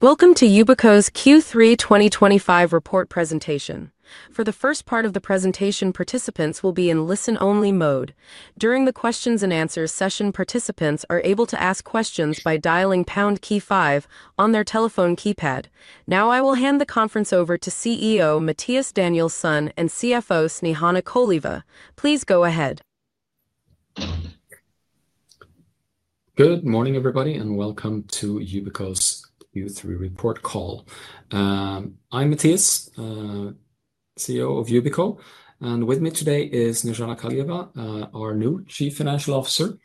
Welcome to Yubico's Q3 2025 report presentation. For the first part of the presentation, participants will be in listen-only mode. During the Q&A session, participants are able to ask questions by dialing pound key five on their telephone keypad. Now, I will hand the conference over to CEO Mattias Danielsson and CFO Snejana Koleva. Please go ahead. Good morning, everybody, and welcome to Yubico's Q3 report call. I'm Mattias, CEO of Yubico, and with me today is Snejana Koleva, our new Chief Financial Officer,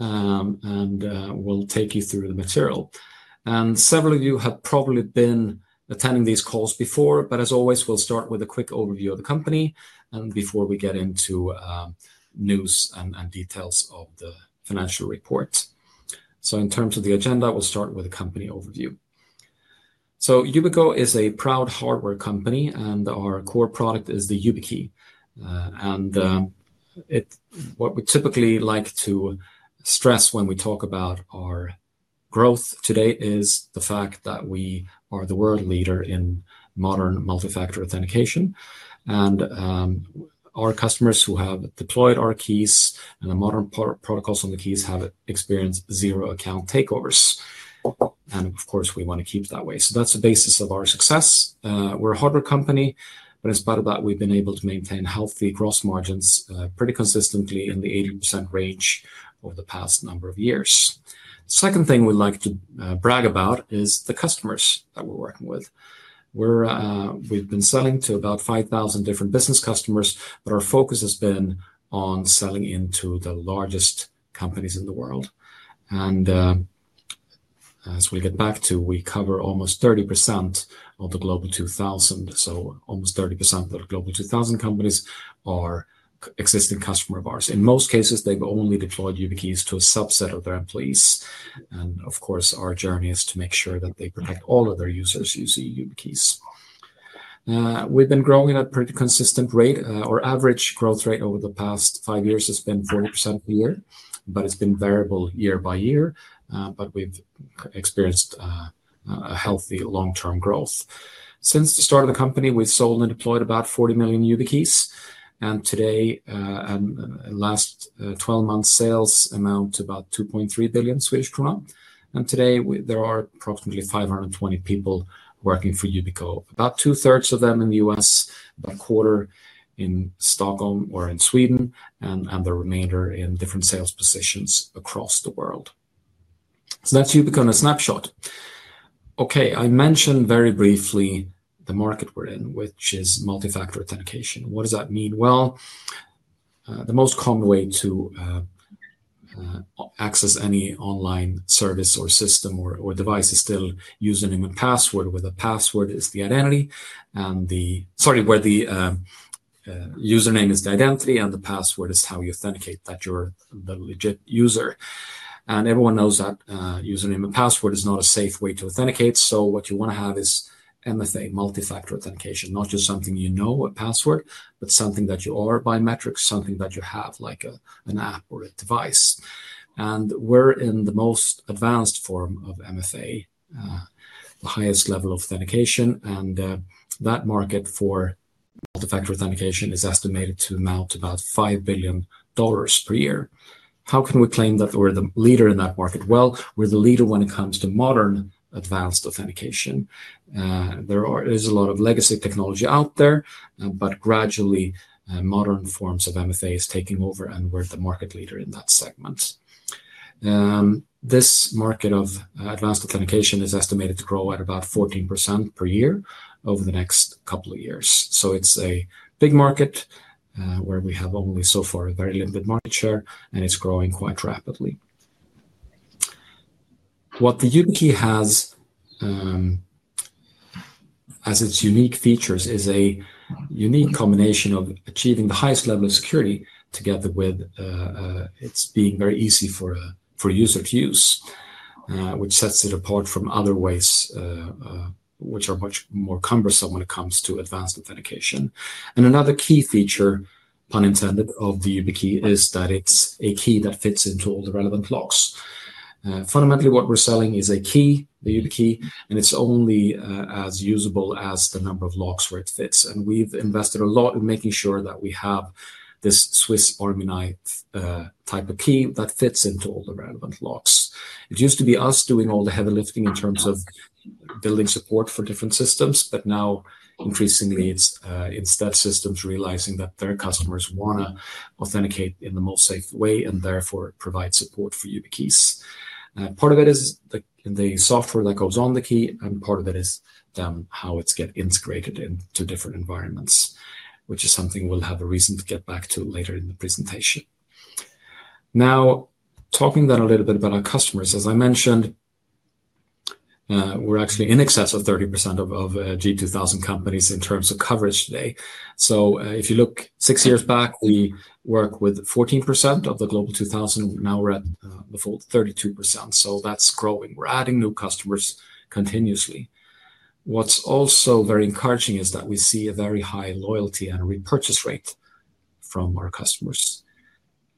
and we'll take you through the material. Several of you have probably been attending these calls before, but as always, we'll start with a quick overview of the company before we get into news and details of the financial report. In terms of the agenda, we'll start with a company overview. Yubico is a proud hardware company, and our core product is the YubiKey. What we typically like to stress when we talk about our growth today is the fact that we are the world leader in modern multi-factor authentication. Our customers who have deployed our keys and the modern protocols on the keys have experienced zero account takeovers. Of course, we want to keep that way. That's the basis of our success. We're a hardware company, but in spite of that, we've been able to maintain healthy gross margins pretty consistently in the 80% range over the past number of years. The second thing we'd like to brag about is the customers that we're working with. We've been selling to about 5,000 different business customers, but our focus has been on selling into the largest companies in the world. As we'll get back to, we cover almost 30% of the Global 2000, so almost 30% of the Global 2000 companies are existing customers of ours. In most cases, they've only deployed YubiKeys to a subset of their employees. Of course, our journey is to make sure that they protect all of their users using YubiKeys. We've been growing at a pretty consistent rate. Our average growth rate over the past five years has been 40% per year, but it's been variable year by year. We've experienced a healthy long-term growth. Since the start of the company, we've sold and deployed about 40 million YubiKeys. Today, in the last 12 months, sales amount to 2.3 billion Swedish krona. Today, there are approximately 520 people working for Yubico, about two-thirds of them in the U.S., about a quarter in Stockholm or in Sweden, and the remainder in different sales positions across the world. That's Yubico in a snapshot. Okay, I mentioned very briefly the market we're in, which is multi-factor authentication. What does that mean? The most common way to access any online service or system or device is still username and password. With a password is the identity, sorry, where the username is the identity and the password is how you authenticate that you're the legit user. Everyone knows that username and password is not a safe way to authenticate. What you want to have is MFA, multi-factor authentication, not just something you know, a password, but something that you are, biometrics, something that you have like an app or a device. We're in the most advanced form of MFA, the highest level of authentication. That market for multi-factor authentication is estimated to amount to about $5 billion per year. How can we claim that we're the leader in that market? We're the leader when it comes to modern advanced authentication. There is a lot of legacy technology out there, but gradually modern forms of MFA are taking over and we're the market leader in that segment. This market of advanced authentication is estimated to grow at about 14% per year over the next couple of years. It's a big market where we have only so far a very limited market share, and it's growing quite rapidly. What the YubiKey has as its unique features is a unique combination of achieving the highest level of security together with it being very easy for a user to use, which sets it apart from other ways which are much more cumbersome when it comes to advanced authentication. Another key feature, pun intended, of the YubiKey is that it's a key that fits into all the relevant locks. Fundamentally, what we're selling is a key, the YubiKey, and it's only as usable as the number of locks where it fits. We've invested a lot in making sure that we have this Swiss Army knife type of key that fits into all the relevant locks. It used to be us doing all the heavy lifting in terms of building support for different systems, but now increasingly it's that systems realizing that their customers want to authenticate in the most safe way and therefore provide support for YubiKeys. Part of it is the software that goes on the key, and part of it is how it's getting integrated into different environments, which is something we'll have a reason to get back to later in the presentation. Now, talking then a little bit about our customers, as I mentioned, we're actually in excess of 30% of G2000 companies in terms of coverage today. If you look six years back, we worked with 14% of the Global 2000. Now we're at the full 32%. That's growing. We're adding new customers continuously. What's also very encouraging is that we see a very high loyalty and repurchase rate from our customers.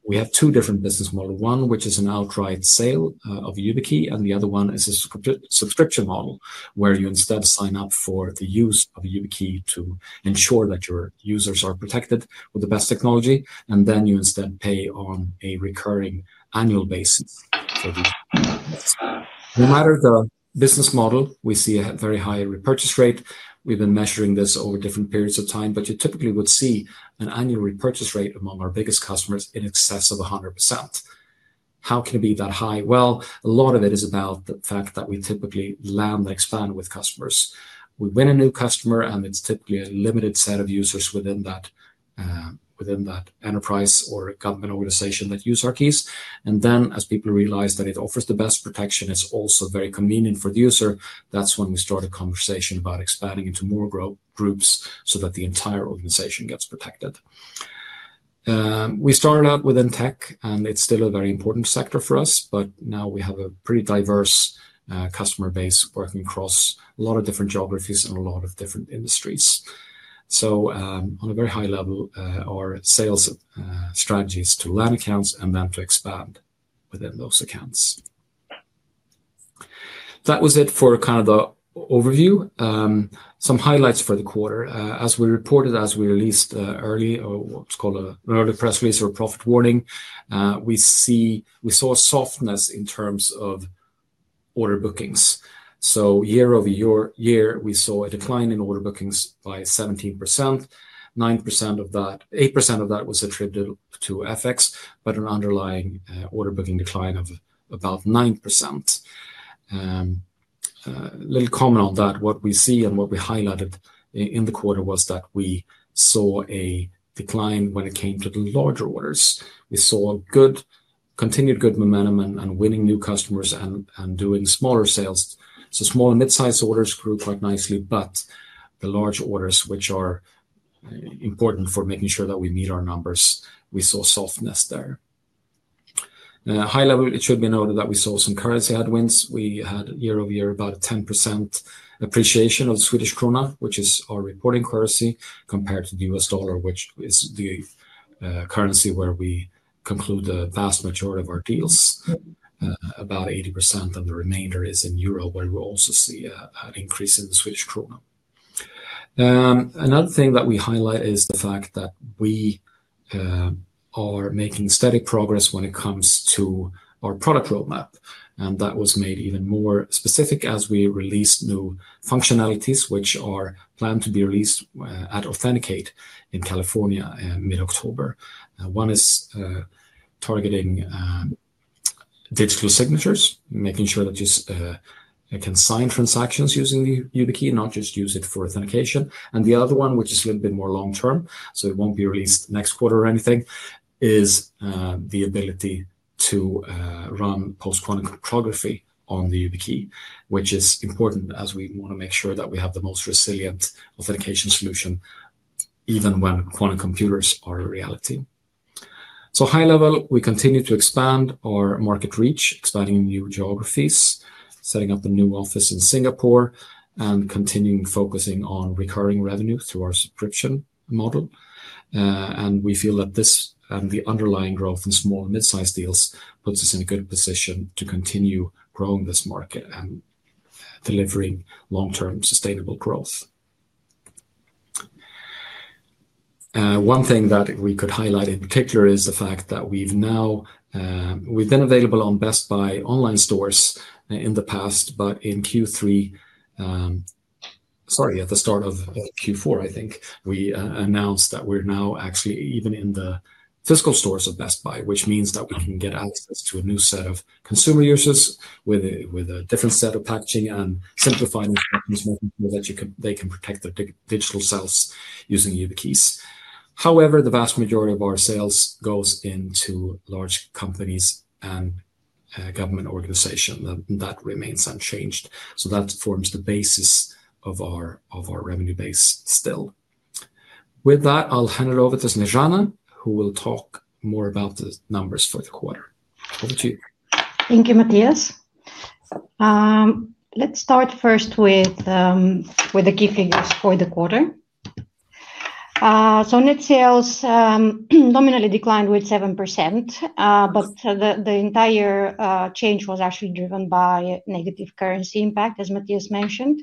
We have two different business models, one which is an outright sale of YubiKey and the other one is a subscription model where you instead sign up for the use of YubiKey to ensure that your users are protected with the best technology, and then you instead pay on a recurring annual basis. No matter the business model, we see a very high repurchase rate. We've been measuring this over different periods of time, but you typically would see an annual repurchase rate among our biggest customers in excess of 100%. How can it be that high? A lot of it is about the fact that we typically land and expand with customers. We win a new customer, and it's typically a limited set of users within that enterprise or government organization that use our keys. Then, as people realize that it offers the best protection, it's also very convenient for the user. That's when we start a conversation about expanding into more groups so that the entire organization gets protected. We started out within tech, and it's still a very important sector for us, but now we have a pretty diverse customer base working across a lot of different geographies and a lot of different industries. On a very high level, our sales strategy is to land accounts and then to expand within those accounts. That was it for kind of the overview. Some highlights for the quarter. As we reported, as we released early, what's called an early press release or profit warning, we saw softness in terms of order bookings. year-over-year, we saw a decline in order bookings by 17%. 8% of that was attributed to FX, but an underlying order booking decline of about 9%. A little comment on that, what we see and what we highlighted in the quarter was that we saw a decline when it came to the larger orders. We saw continued good momentum and winning new customers and doing smaller sales. Small and mid-sized orders grew quite nicely, but the large orders, which are important for making sure that we meet our numbers, we saw softness there. High level, it should be noted that we saw some currency headwinds. We had year-over-year about a 10% appreciation of Swedish krona, which is our reporting currency, compared to the U.S. dollar, which is the currency where we conclude the vast majority of our deals, about 80%, and the remainder is in euro, where we also see an increase in the Swedish krona. Another thing that we highlight is the fact that we are making steady progress when it comes to our product roadmap. That was made even more specific as we released new functionalities, which are planned to be released at Authenticate in California in mid-October. One is targeting digital signatures, making sure that you can sign transactions using the YubiKey, not just use it for authentication. The other one, which is a little bit more long-term, so it won't be released next quarter or anything, is the ability to run post-quantum cryptography on the YubiKey, which is important as we want to make sure that we have the most resilient authentication solution even when quantum computers are a reality. High level, we continue to expand our market reach, expanding new geographies, setting up a new office in Singapore, and continuing focusing on recurring revenue through our subscription model. We feel that this and the underlying growth in small and mid-sized deals puts us in a good position to continue growing this market and delivering long-term sustainable growth. One thing that we could highlight in particular is the fact that we've been available on Best Buy online stores in the past, but in Q3, sorry, at the start of Q4, I think we announced that we're now actually even in the physical stores of Best Buy, which means that we can get access to a new set of consumer users with a different set of packaging and simplified instructions so that they can protect their digital selves using YubiKeys. However, the vast majority of our sales goes into large companies and government organizations, and that remains unchanged. That forms the basis of our revenue base still. With that, I'll hand it over to Snejana, who will talk more about the numbers for the quarter. Over to you. Thank you, Mattias. Let's start first with the key figures for the quarter. Net sales nominally declined with 7%, but the entire change was actually driven by negative currency impact, as Mattias mentioned.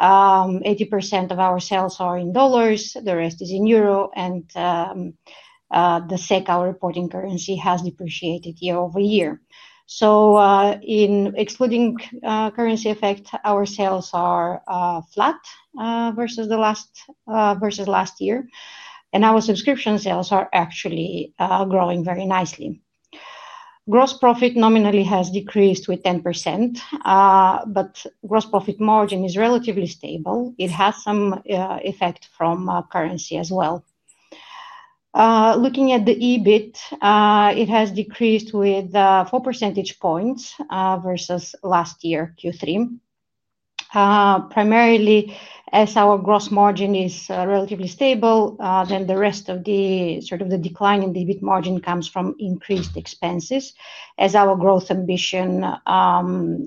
80% of our sales are in dollars, the rest is in Euro, and the SEK, our reporting currency, has depreciated year-over-year. In excluding currency effect, our sales are flat versus last year, and our subscription sales are actually growing very nicely. Gross profit nominally has decreased with 10%, but gross profit margin is relatively stable. It has some effect from currency as well. Looking at the EBIT, it has decreased with 4 percentage points versus last year, Q3. Primarily, as our gross margin is relatively stable, then the rest of the decline in the EBIT margin comes from increased expenses. As our growth ambition,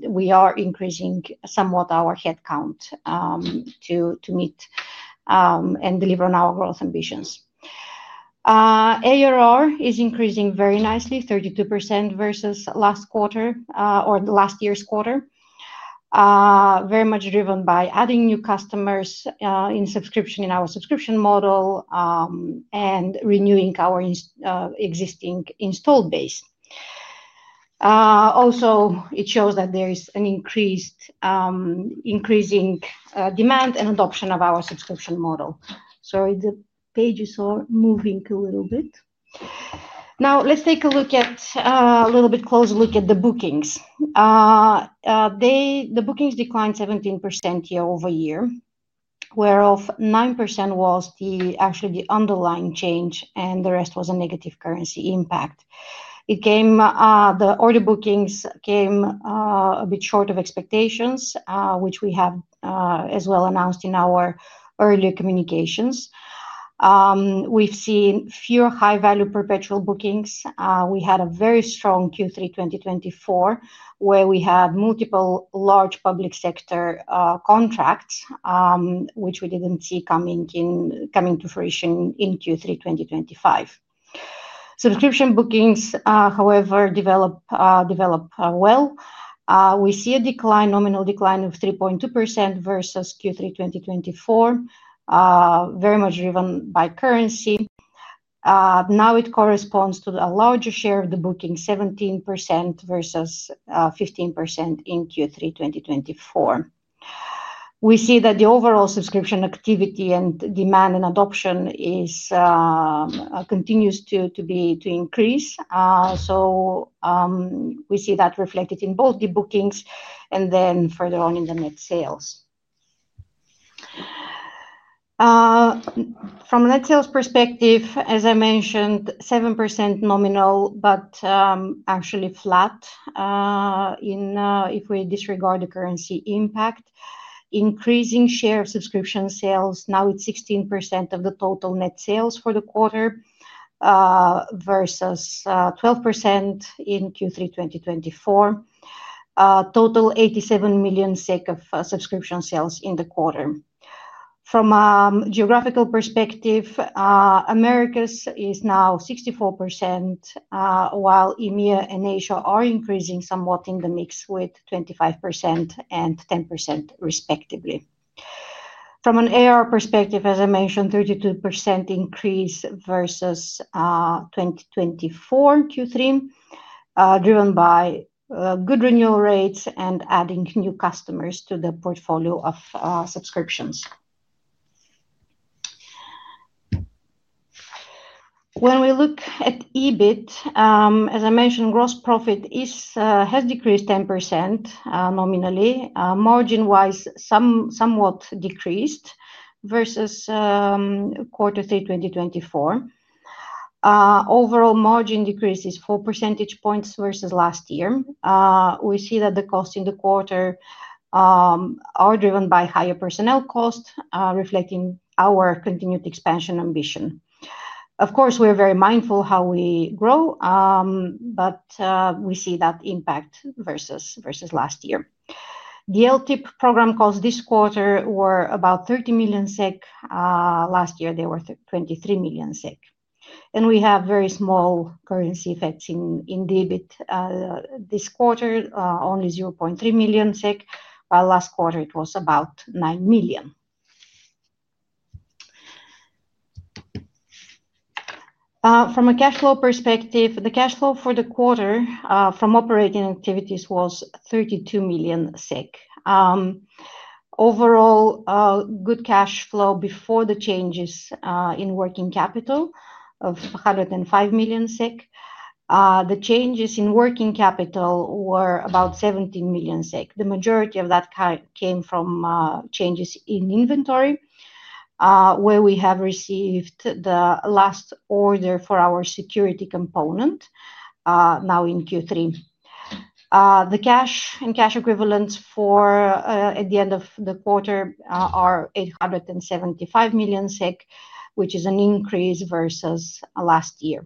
we are increasing somewhat our headcount to meet and deliver on our growth ambitions. ARR is increasing very nicely, 32% versus last quarter or last year's quarter, very much driven by adding new customers in our subscription model and renewing our existing installed base. Also, it shows that there is an increasing demand and adoption of our subscription model. The pages are moving a little bit. Now, let's take a little bit closer look at the bookings. The bookings declined 17% year-over-year, whereof 9% was actually the underlying change, and the rest was a negative currency impact. The order bookings came a bit short of expectations, which we have as well announced in our earlier communications. We've seen fewer high-value perpetual bookings. We had a very strong Q3 2024 where we had multiple large public sector contracts, which we did not see coming to fruition in Q3 2025. Subscription bookings, however, develop well. We see a nominal decline of 3.2% versus Q3 2024, very much driven by currency. Now it corresponds to a larger share of the booking, 17% versus 15% in Q3 2024. We see that the overall subscription activity and demand and adoption continues to increase. We see that reflected in both the bookings and then further on in the net sales. From a net sales perspective, as I mentioned, 7% nominal, but actually flat if we disregard the currency impact. Increasing share of subscription sales, now it is 16% of the total net sales for the quarter versus 12% in Q3 2024. Total 87 million SEK of subscription sales in the quarter. From a geographical perspective, Americas is now 64%, while EMEA and Asia are increasing somewhat in the mix with 25% and 10% respectively. From an ARR perspective, as I mentioned, 32% increase versus 2024 Q3, driven by good renewal rates and adding new customers to the portfolio of subscriptions. When we look at EBIT, as I mentioned, gross profit has decreased 10% nominally. Margin-wise, somewhat decreased versus quarter three 2024. Overall margin decrease is 4 percentage points versus last year. We see that the costs in the quarter are driven by higher personnel costs, reflecting our continued expansion ambition. Of course, we are very mindful how we grow, but we see that impact versus last year. The LTIP program costs this quarter were about 30 million SEK. Last year, they were 23 million SEK. We have very small currency effects in EBIT this quarter, only 0.3 million SEK. Last quarter, it was about 9 million. From a cash flow perspective, the cash flow for the quarter from operating activities was 32 million SEK. Overall, good cash flow before the changes in working capital of 105 million SEK. The changes in working capital were about 17 million SEK. The majority of that came from changes in inventory where we have received the last order for our security component now in Q3. The cash and cash equivalents at the end of the quarter are 875 million SEK, which is an increase versus last year.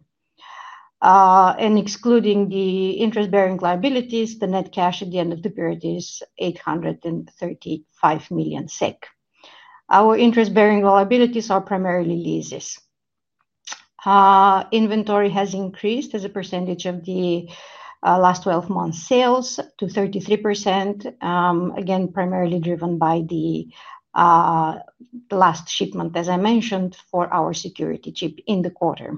Excluding the interest-bearing liabilities, the net cash at the end of the period is 835 million SEK. Our interest-bearing liabilities are primarily leases. Inventory has increased as a percentage of the last 12 months' sales to 33%, again, primarily driven by the last shipment, as I mentioned, for our security chip in the quarter.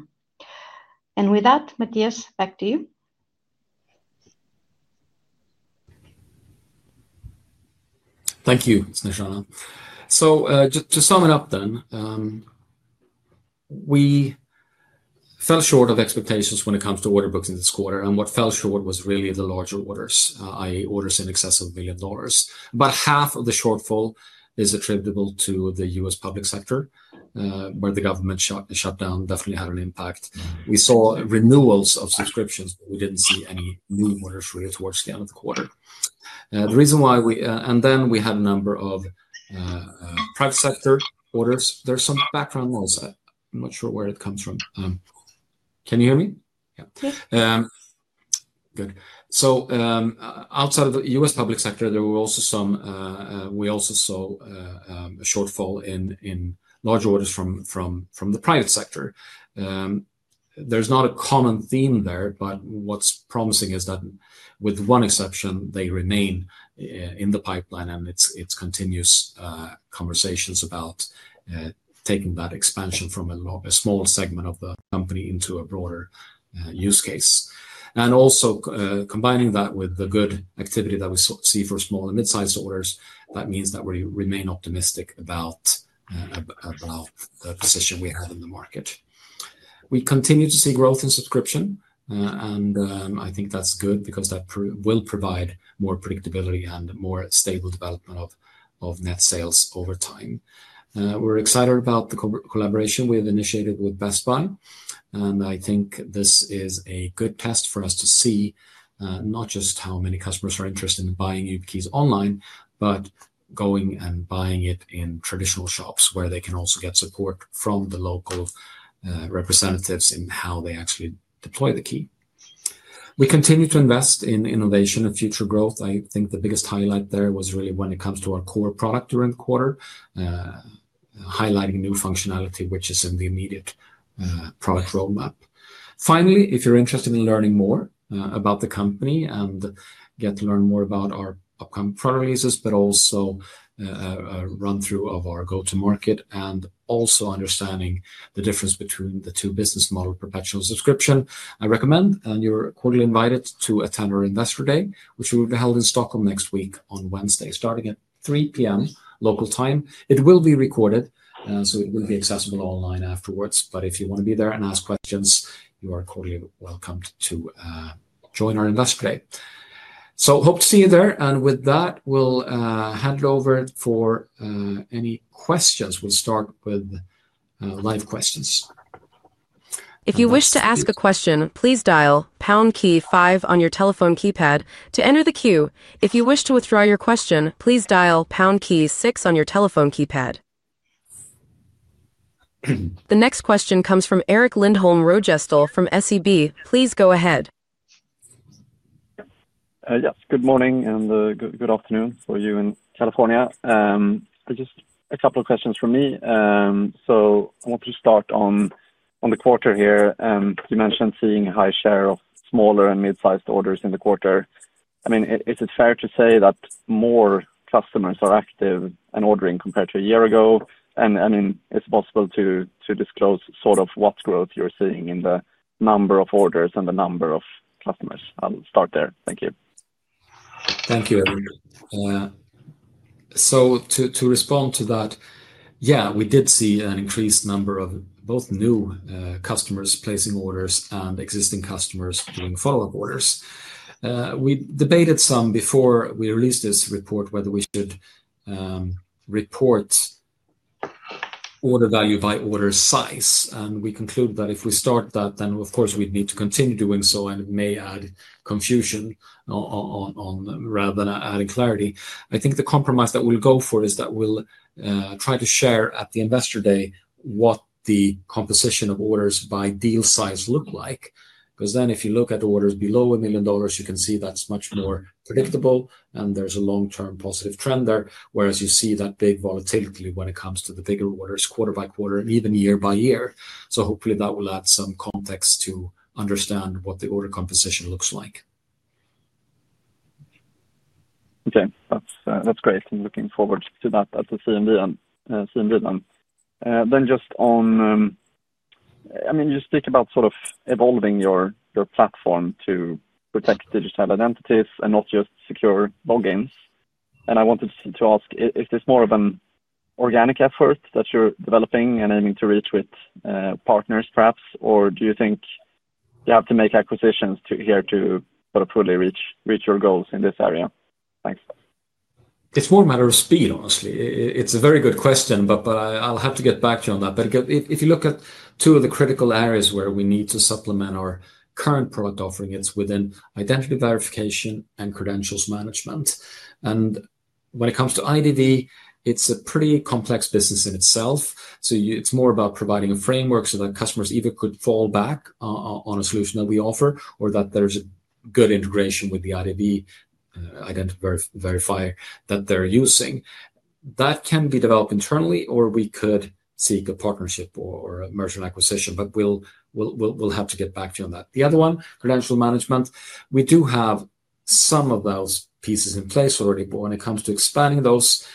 With that, Mattias, back to you. Thank you, Snejana. To sum it up then, we fell short of expectations when it comes to order bookings this quarter, and what fell short was really the larger orders, i.e., orders in excess of $1 million. About half of the shortfall is attributable to the U.S. public sector, where the government shutdown definitely had an impact. We saw renewals of subscriptions, but we did not see any new orders really towards the end of the quarter. The reason why we then had a number of private sector orders. There is some background noise. I am not sure where it comes from. Can you hear me? Yeah. Good. Outside of the U.S. public sector, we also saw a shortfall in larger orders from the private sector. There's not a common theme there, but what's promising is that with one exception, they remain in the pipeline, and it's continuous conversations about taking that expansion from a small segment of the company into a broader use case. Also, combining that with the good activity that we see for small and mid-sized orders, that means that we remain optimistic about the position we have in the market. We continue to see growth in subscription, and I think that's good because that will provide more predictability and more stable development of net sales over time. We're excited about the collaboration we have initiated with Best Buy, and I think this is a good test for us to see not just how many customers are interested in buying YubiKeys online, but going and buying it in traditional shops where they can also get support from the local representatives in how they actually deploy the key. We continue to invest in innovation and future growth. I think the biggest highlight there was really when it comes to our core product during the quarter, highlighting new functionality, which is in the immediate product roadmap. Finally, if you're interested in learning more about the company and get to learn more about our upcoming product releases, but also a run-through of our go-to-market and also understanding the difference between the two business model perpetual subscription, I recommend and you're cordially invited to attend our investor day, which will be held in Stockholm next week on Wednesday, starting at 3:00 P.M. local time. It will be recorded, so it will be accessible online afterwards, but if you want to be there and ask questions, you are cordially welcomed to join our investor day. Hope to see you there, and with that, we'll hand it over for any questions. We'll start with live questions. If you wish to ask a question, please dial pound key five on your telephone keypad to enter the queue. If you wish to withdraw your question, please dial pound key six on your telephone keypad. The next question comes from Erik Lindholm-Röjestål from SEB. Please go ahead. Yes. Good morning and good afternoon for you in California. Just a couple of questions from me. I want to start on the quarter here. You mentioned seeing a high share of smaller and mid-sized orders in the quarter. Is it fair to say that more customers are active and ordering compared to a year ago? Is it possible to disclose sort of what growth you are seeing in the number of orders and the number of customers. I will start there. Thank you. Thank you, Erik. To respond to that, yeah, we did see an increased number of both new customers placing orders and existing customers doing follow-up orders. We debated some before we released this report whether we should report order value by order size, and we concluded that if we start that, then of course we'd need to continue doing so, and it may add confusion rather than adding clarity. I think the compromise that we'll go for is that we'll try to share at the investor day what the composition of orders by deal size look like, because then if you look at orders below $1 million, you can see that's much more predictable, and there's a long-term positive trend there, whereas you see that big volatility when it comes to the bigger orders quarter by quarter and even year by year. Hopefully, that will add some context to understand what the order composition looks like. Okay. That's great. I'm looking forward to that at the CMV then. I mean, you speak about sort of evolving your platform to protect digital identities and not just secure logins. I wanted to ask if there's more of an organic effort that you're developing and aiming to reach with partners, perhaps, or do you think you have to make acquisitions here to sort of fully reach your goals in this area? Thanks. It's more a matter of speed, honestly. It's a very good question, but I'll have to get back to you on that. If you look at two of the critical areas where we need to supplement our current product offering, it's within identity verification and credentials management. When it comes to IDV, it's a pretty complex business in itself. It's more about providing a framework so that customers either could fall back on a solution that we offer or that there's a good integration with the IDV identity verifier that they're using. That can be developed internally, or we could seek a partnership or a merger and acquisition, but we'll have to get back to you on that. The other one, credential management, we do have some of those pieces in place already, but when it comes to expanding those,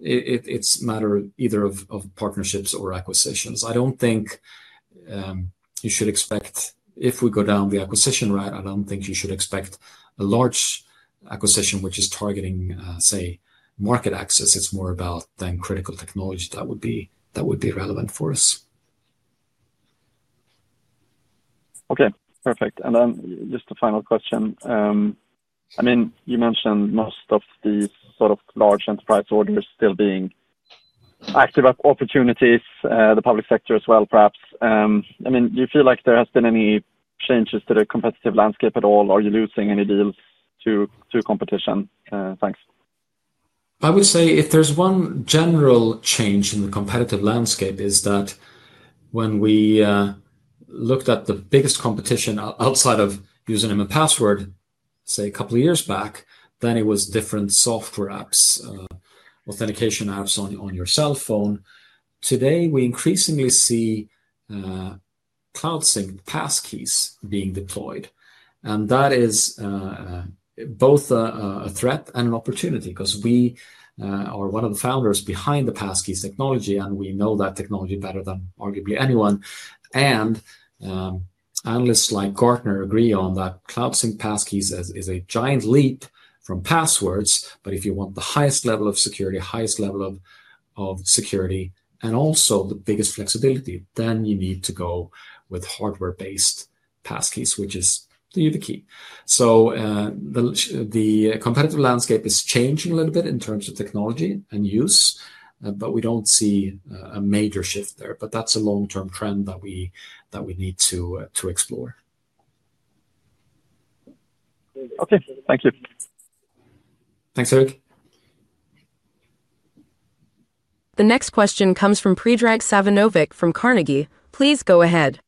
it's a matter either of partnerships or acquisitions. I don't think you should expect if we go down the acquisition route, I don't think you should expect a large acquisition which is targeting, say, market access. It's more about then critical technology that would be relevant for us. Okay. Perfect. Just a final question. You mentioned most of these sort of large enterprise orders still being active opportunities, the public sector as well, perhaps. Do you feel like there has been any changes to the competitive landscape at all, or are you losing any deals to competition? Thanks. I would say if there's one general change in the competitive landscape is that when we looked at the biggest competition outside of username and password, say, a couple of years back, then it was different software apps, authentication apps on your cell phone. Today, we increasingly see Cloud Sync passkeys being deployed, and that is both a threat and an opportunity because we are one of the founders behind the passkeys technology, and we know that technology better than arguably anyone. Analysts like Gartner agree that Cloud Sync passkeys is a giant leap from passwords, but if you want the highest level of security, highest level of security, and also the biggest flexibility, then you need to go with hardware-based passkeys, which is the YubiKey. The competitive landscape is changing a little bit in terms of technology and use, but we don't see a major shift there. That's a long-term trend that we need to explore. Okay. Thank you. Thanks, Erik. The next question comes from Predrag Savinovic from Carnegie. Please go ahead.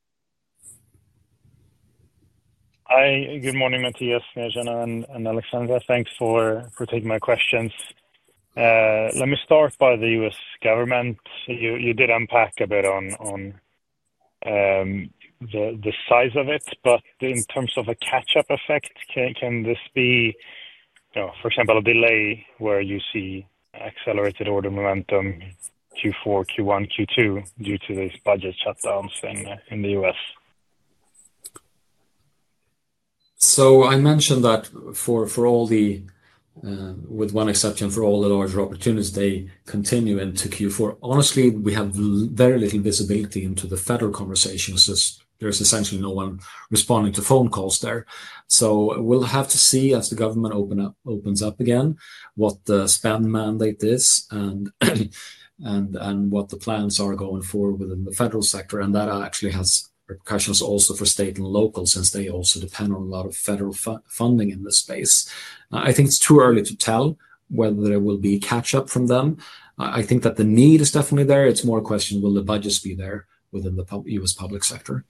Hi. Good morning, Mattias, Snejana, and Alexandra. Thanks for taking my questions. Let me start by the U.S. government. You did unpack a bit on the size of it, but in terms of a catch-up effect, can this be, for example, a delay where you see accelerated order momentum Q4, Q1, Q2 due to these budget shutdowns in the U.S.? I mentioned that with one exception, for all the larger opportunities, they continue into Q4. Honestly, we have very little visibility into the federal conversations as there is essentially no one responding to phone calls there. We will have to see as the government opens up again what the spend mandate is and what the plans are going forward within the federal sector, and that actually has repercussions also for state and local since they also depend on a lot of federal funding in this space. I think it is too early to tell whether there will be catch-up from them. I think that the need is definitely there. It is more a question of will the budgets be there within the U.S. public sector.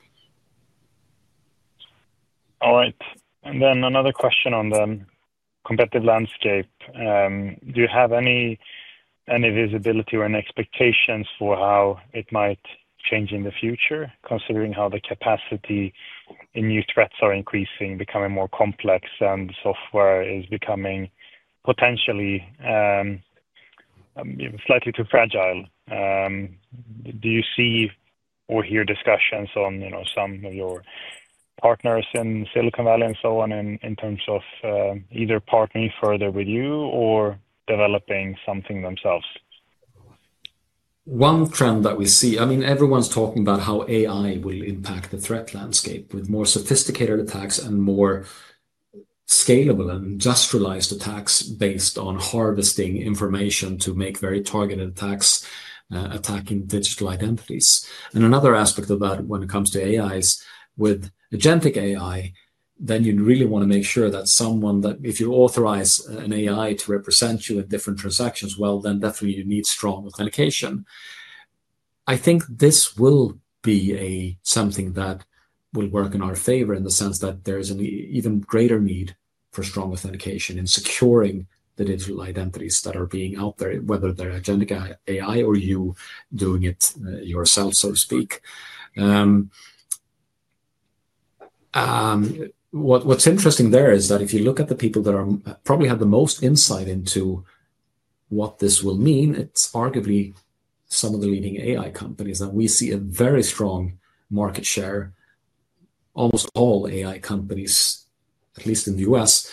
All right. Another question on the competitive landscape. Do you have any visibility or any expectations for how it might change in the future considering how the capacity and new threats are increasing, becoming more complex, and software is becoming potentially slightly too fragile? Do you see or hear discussions on some of your partners in Silicon Valley and so on in terms of either partnering further with you or developing something themselves? One trend that we see, I mean, everyone's talking about how AI will impact the threat landscape with more sophisticated attacks and more scalable and industrialized attacks based on harvesting information to make very targeted attacks attacking digital identities. Another aspect of that when it comes to AI is with Agentic AI, then you really want to make sure that if you authorize an AI to represent you in different transactions, you definitely need strong authentication. I think this will be something that will work in our favor in the sense that there is an even greater need for strong authentication in securing the digital identities that are being out there, whether they're Agentic AI or you doing it yourself, so to speak. What's interesting there is that if you look at the people that probably have the most insight into what this will mean, it's arguably some of the leading AI companies that we see a very strong market share. Almost all AI companies, at least in the U.S.,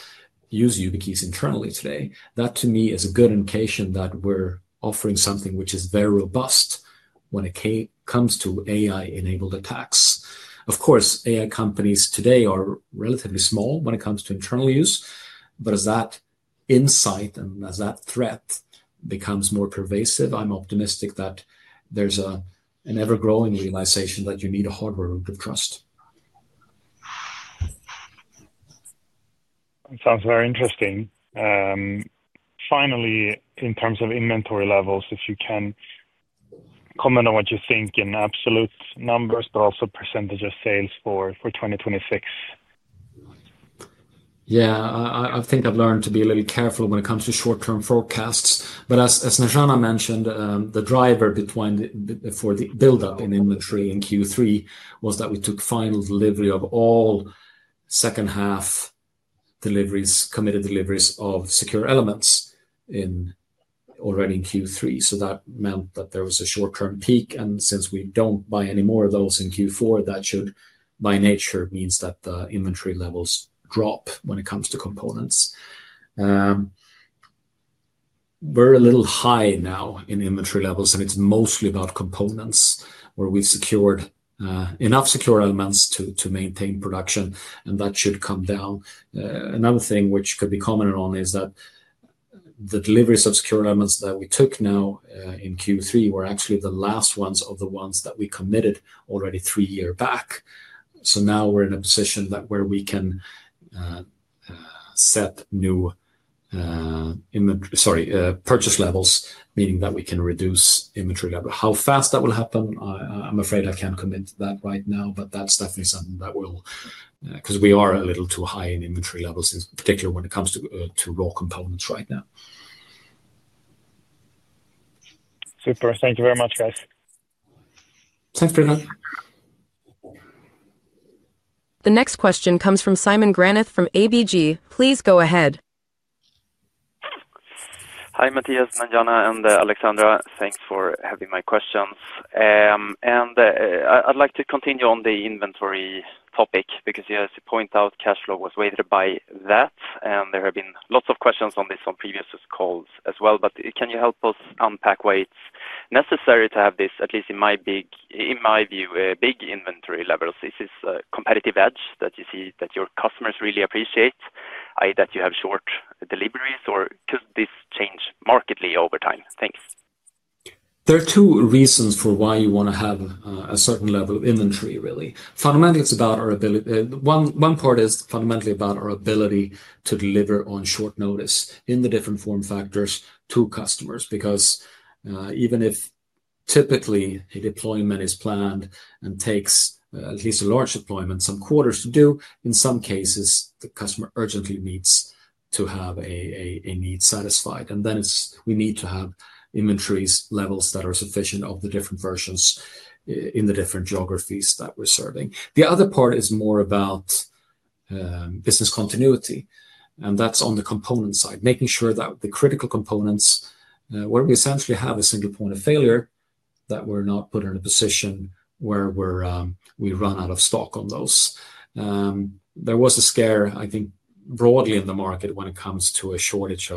use YubiKeys internally today. That, to me, is a good indication that we're offering something which is very robust when it comes to AI-enabled attacks. Of course, AI companies today are relatively small when it comes to internal use, but as that insight and as that threat becomes more pervasive, I'm optimistic that there's an ever-growing realization that you need a hardware root of trust. Sounds very interesting. Finally, in terms of inventory levels, if you can comment on what you think in absolute numbers, but also percentage of sales for 2026. Yeah. I think I've learned to be a little careful when it comes to short-term forecasts, but as Snejana mentioned, the driver for the buildup in inventory in Q3 was that we took final delivery of all second-half deliveries, committed deliveries of secure elements already in Q3. That meant that there was a short-term peak, and since we do not buy any more of those in Q4, that should by nature mean that the inventory levels drop when it comes to components. We are a little high now in inventory levels, and it is mostly about components where we have secured enough secure elements to maintain production, and that should come down. Another thing which could be commented on is that the deliveries of secure elements that we took now in Q3 were actually the last ones of the ones that we committed already three years back. Now we're in a position where we can set new purchase levels, meaning that we can reduce inventory level. How fast that will happen, I'm afraid I can't commit to that right now, but that's definitely something that we'll, because we are a little too high in inventory levels, particularly when it comes to raw components right now. Super. Thank you very much, guys. Thanks for your time. The next question comes from Simon Granath from ABG. Please go ahead. Hi, Mattias, Snejana, and Alexandra. Thanks for having my questions. I'd like to continue on the inventory topic because, as you point out, cash flow was weighted by that, and there have been lots of questions on this on previous calls as well. Can you help us unpack why it's necessary to have this, at least in my view, big inventory levels? Is this a competitive edge that you see that your customers really appreciate, i.e., that you have short deliveries, or could this change markedly over time? Thanks. There are two reasons for why you want to have a certain level of inventory, really. Fundamentally, it's about our ability. One part is fundamentally about our ability to deliver on short notice in the different form factors to customers because even if typically a deployment is planned and takes at least a large deployment, some quarters to do, in some cases, the customer urgently needs to have a need satisfied, and then we need to have inventory levels that are sufficient of the different versions in the different geographies that we're serving. The other part is more about business continuity, and that's on the component side, making sure that the critical components where we essentially have a single point of failure that we're not put in a position where we run out of stock on those. There was a scare, I think, broadly in the market when it comes to a shortage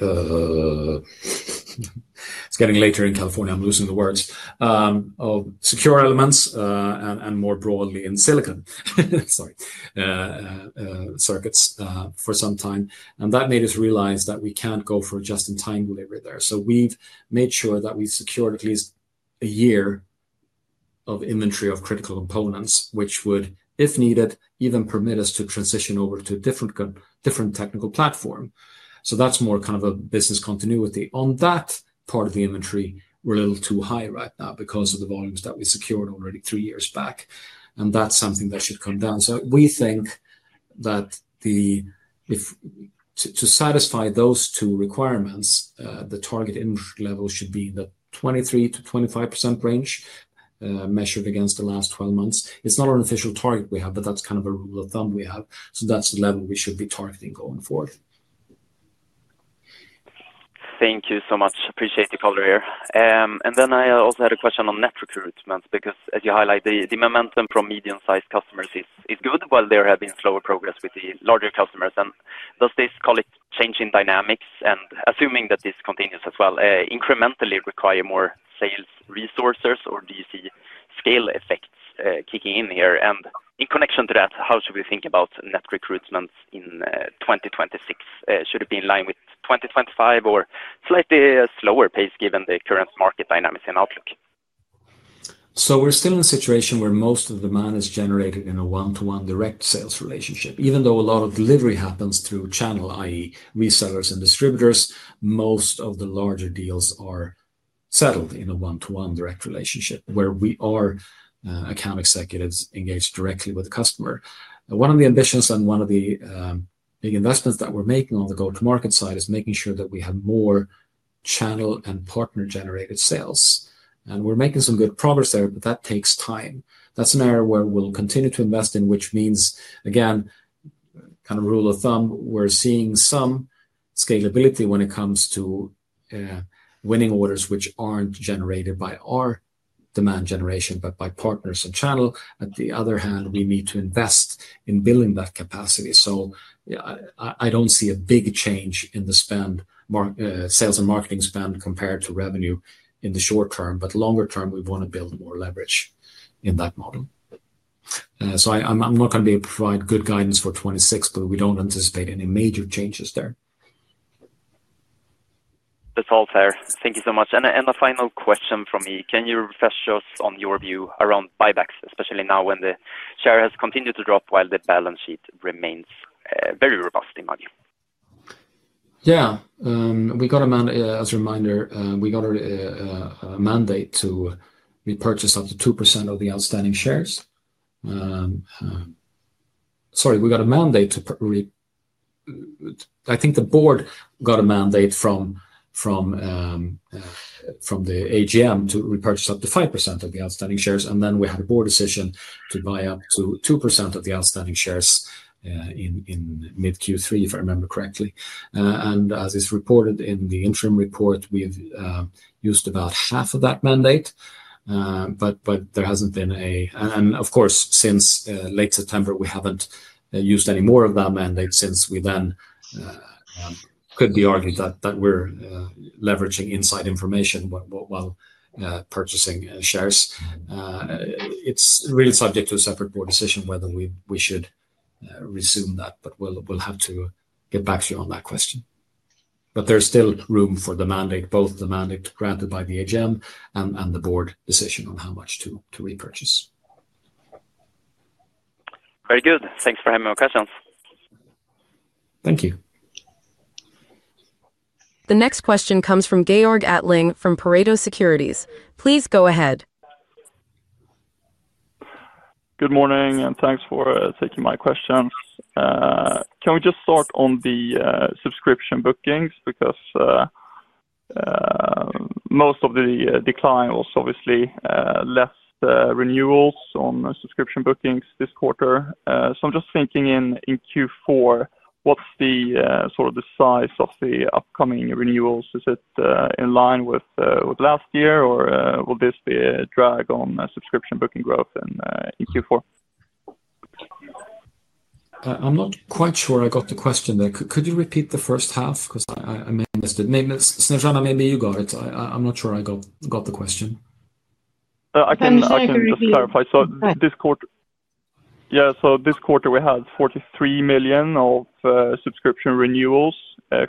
of—it's getting later in California, I'm losing the words—of secure elements and more broadly in silicon circuits for some time. That made us realize that we can't go for just in time delivery there. We've made sure that we secured at least a year of inventory of critical components, which would, if needed, even permit us to transition over to a different technical platform. That's more kind of a business continuity. On that part of the inventory, we're a little too high right now because of the volumes that we secured already three years back, and that's something that should come down. We think that to satisfy those two requirements, the target inventory level should be in the 23%-25% range measured against the last 12 months. It's not an official target we have, but that's kind of a rule of thumb we have. That's the level we should be targeting going forward. Thank you so much. Appreciate the color here. I also had a question on net recruitment because, as you highlight, the momentum from medium-sized customers is good while there has been slower progress with the larger customers. Does this change in dynamics, assuming that this continues as well, incrementally require more sales resources, or do you see scale effects kicking in here? In connection to that, how should we think about net recruitment in 2026? Should it be in line with 2025 or a slightly slower pace given the current market dynamics and outlook? We're still in a situation where most of the demand is generated in a one-to-one direct sales relationship. Even though a lot of delivery happens through channel, i.e., resellers and distributors, most of the larger deals are settled in a one-to-one direct relationship where we are account executives engaged directly with the customer. One of the ambitions and one of the big investments that we're making on the go-to-market side is making sure that we have more channel and partner-generated sales. We're making some good progress there, but that takes time. That's an area where we'll continue to invest in, which means, again, kind of rule of thumb, we're seeing some scalability when it comes to winning orders which aren't generated by our demand generation, but by partners and channel. On the other hand, we need to invest in building that capacity. I don't see a big change in the sales and marketing spend compared to revenue in the short term, but longer term, we want to build more leverage in that model. I'm not going to be able to provide good guidance for 2026, but we don't anticipate any major changes there. That's all there. Thank you so much. A final question from me. Can you refresh us on your view around buybacks, especially now when the share has continued to drop while the balance sheet remains very robust in value? Yeah. As a reminder, we got a mandate to repurchase up to 2% of the outstanding shares. Sorry, we got a mandate to, I think the board got a mandate from the AGM to repurchase up to 5% of the outstanding shares, and then we had a board decision to buy up to 2% of the outstanding shares in mid-Q3, if I remember correctly. As is reported in the interim report, we've used about half of that mandate, but there hasn't been a, and of course, since late September, we haven't used any more of that mandate since we then could be argued that we're leveraging inside information while purchasing shares. It's really subject to a separate board decision whether we should resume that, but we'll have to get back to you on that question. There's still room for both the mandate granted by the AGM and the board decision on how much to repurchase. Very good. Thanks for having my questions. Thank you. The next question comes from Georg Attling from Pareto Securities. Please go ahead. Good morning and thanks for taking my question. Can we just sort on the subscription bookings? Most of the decline was obviously less renewals on subscription bookings this quarter. I'm just thinking in Q4, what's the size of the upcoming renewals? Is it in line with last year, or will this be a drag on subscription booking growth in Q4? I'm not quite sure I got the question there. Could you repeat the first half? I may have missed it. Snejana, maybe you got it. I'm not sure I got the question. I can clarify. Yeah. This quarter, we had 43 million of subscription renewals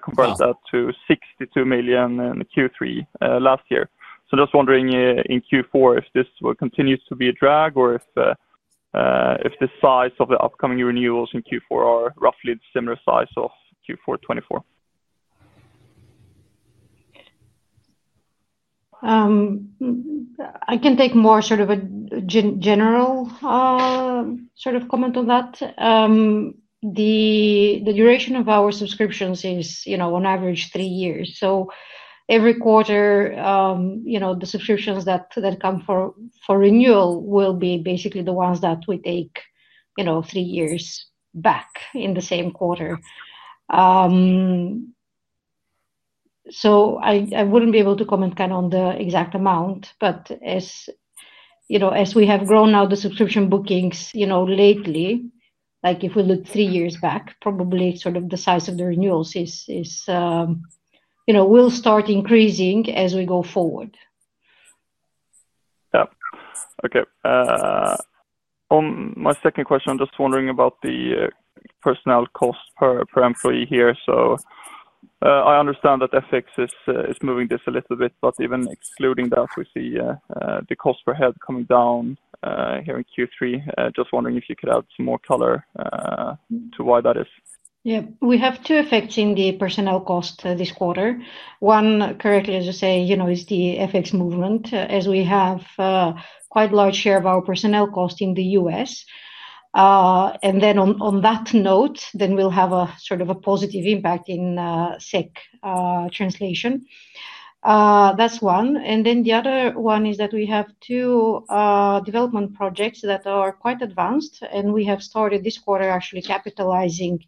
compared to 62 million in Q3 last year. Just wondering in Q4 if this continues to be a drag or if the size of the upcoming renewals in Q4 are roughly the similar size of Q4 2024. I can take more sort of a general sort of comment on that. The duration of our subscriptions is, on average, three years. Every quarter, the subscriptions that come for renewal will be basically the ones that we take three years back in the same quarter. I would not be able to comment on the exact amount, but as we have grown now, the subscription bookings lately, if we look three years back, probably the size of the renewals will start increasing as we go forward. Yeah. Okay. On my second question, I'm just wondering about the personnel cost per employee here. I understand that FX is moving this a little bit, but even excluding that, we see the cost per head coming down here in Q3. Just wondering if you could add some more color to why that is. Yeah. We have two effects in the personnel cost this quarter. One, correctly, as you say, is the FX movement as we have quite a large share of our personnel cost in the US. On that note, we'll have a sort of a positive impact in SEK translation. That's one. The other one is that we have two development projects that are quite advanced, and we have started this quarter actually capitalizing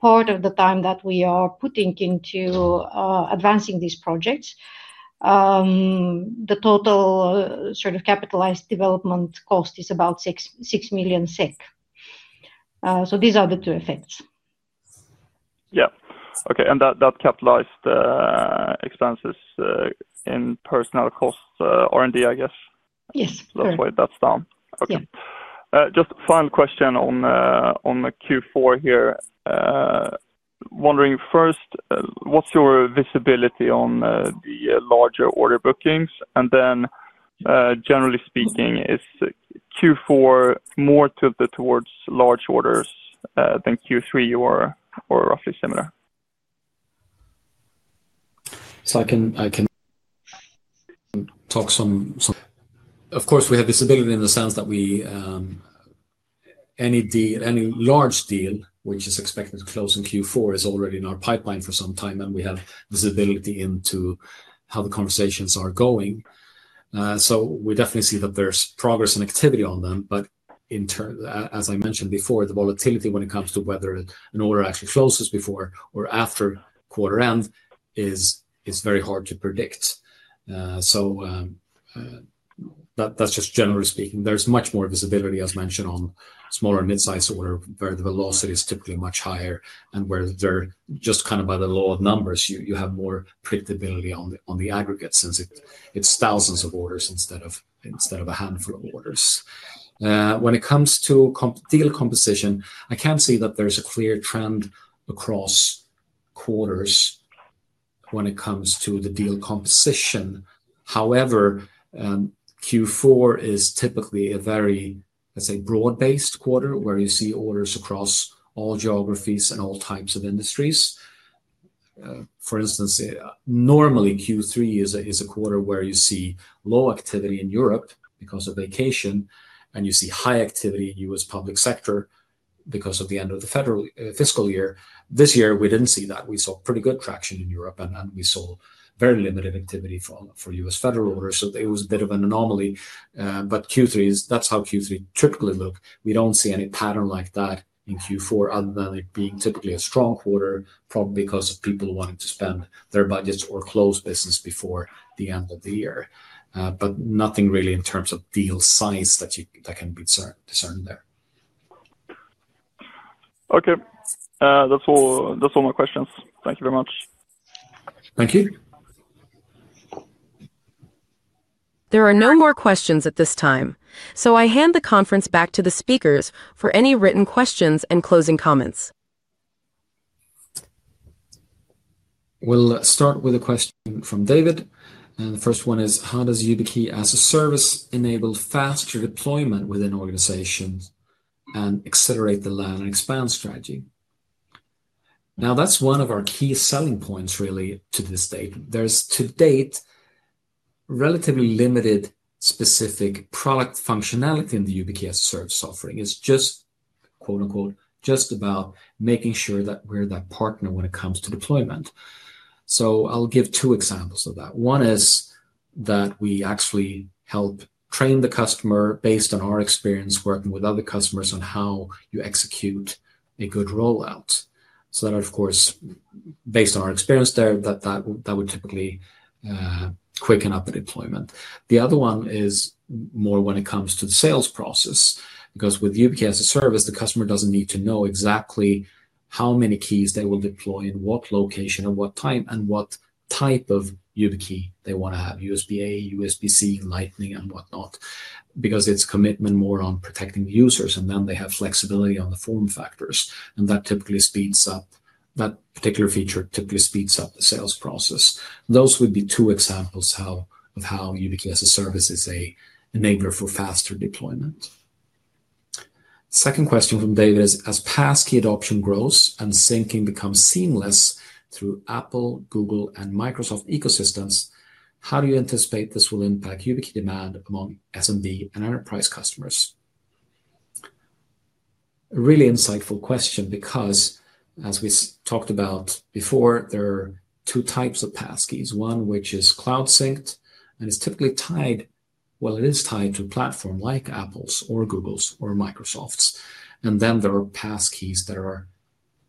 part of the time that we are putting into advancing these projects. The total sort of capitalized development cost is about 6 million SEK. These are the two effects. Yeah. Okay. That capitalized expenses in personnel cost R&D, I guess. Yes. That's why that's down. Okay. Just final question on Q4 here. Wondering first, what's your visibility on the larger order bookings? Then generally speaking, is Q4 more tilted towards large orders than Q3 or roughly similar? I can talk some. Of course, we have visibility in the sense that any large deal which is expected to close in Q4 is already in our pipeline for some time, and we have visibility into how the conversations are going. We definitely see that there's progress and activity on them, but as I mentioned before, the volatility when it comes to whether an order actually closes before or after quarter end is very hard to predict. That is just generally speaking. There is much more visibility, as mentioned, on smaller and mid-sized orders where the velocity is typically much higher and where they are just kind of by the law of numbers, you have more predictability on the aggregate since it is thousands of orders instead of a handful of orders. When it comes to deal composition, I can see that there's a clear trend across quarters when it comes to the deal composition. However, Q4 is typically a very, let's say, broad-based quarter where you see orders across all geographies and all types of industries. For instance, normally Q3 is a quarter where you see low activity in Europe because of vacation, and you see high activity in US public sector because of the end of the fiscal year. This year, we didn't see that. We saw pretty good traction in Europe, and we saw very limited activity for U.S. federal orders. It was a bit of an anomaly, but that's how Q3 typically looks. We don't see any pattern like that in Q4 other than it being typically a strong quarter, probably because people wanted to spend their budgets or close business before the end of the year, but nothing really in terms of deal size that can be discerned there. Okay. That's all my questions. Thank you very much. Thank you. There are no more questions at this time, so I hand the conference back to the speakers for any written questions and closing comments. We'll start with a question from David. The first one is, how does YubiKey as a Service enable faster deployment within organizations and accelerate the learn and expand strategy? Now, that's one of our key selling points really to this date. There's to date relatively limited specific product functionality in the YubiKey as a Service offering. It's just, quote-unquote, just about making sure that we're that partner when it comes to deployment. I'll give two examples of that. One is that we actually help train the customer based on our experience working with other customers on how you execute a good rollout. Of course, based on our experience there, that would typically quicken up the deployment. The other one is more when it comes to the sales process because with YubiKey as a Service, the customer does not need to know exactly how many keys they will deploy in what location and what time and what type of YubiKey they want to have: USB-A, USB-C, Lightning, and whatnot because it is commitment more on protecting the users, and then they have flexibility on the form factors. That particular feature typically speeds up the sales process. Those would be two examples of how YubiKey as a Service is an enabler for faster deployment. Second question from David is, as Passkey adoption grows and syncing becomes seamless through Apple, Google, and Microsoft ecosystems, how do you anticipate this will impact YubiKey demand among SMB and enterprise customers? Really insightful question because, as we talked about before, there are two types of Passkeys. One which is cloud synced and is typically tied, well, it is tied to a platform like Apple's or Google's or Microsoft's. Then there are Passkeys that are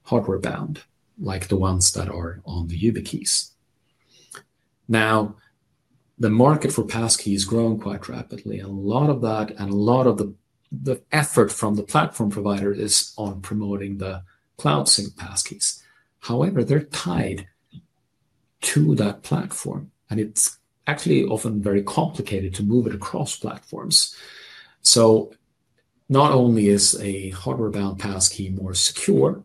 hardware-bound like the ones that are on the YubiKeys. Now, the market for Passkeys is growing quite rapidly. A lot of that and a lot of the effort from the platform provider is on promoting the cloud sync Passkeys. However, they're tied to that platform, and it's actually often very complicated to move it across platforms. Not only is a hardware-bound Passkey more secure,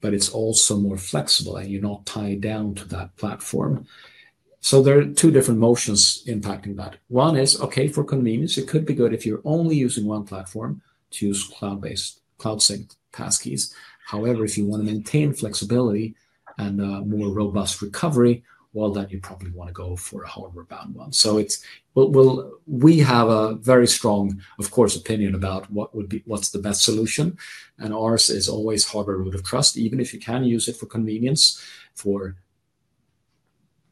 but it's also more flexible, and you're not tied down to that platform. There are two different motions impacting that. One is, okay, for convenience, it could be good if you're only using one platform to use cloud-based cloud sync Passkeys. However, if you want to maintain flexibility and more robust recovery, you probably want to go for a hardware-bound one. We have a very strong, of course, opinion about what's the best solution, and ours is always hardware root of trust, even if you can use it for convenience for